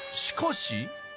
しかし。